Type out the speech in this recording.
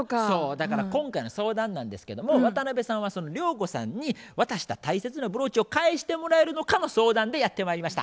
だから今回の相談なんですけども渡辺さんはその涼子さんに渡した大切なブローチを返してもらえるのかの相談でやってまいりました。